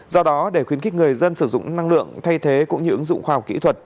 do đó để khuyến khích người dân sử dụng năng lượng thay thế cũng như ứng dụng khoa học kỹ thuật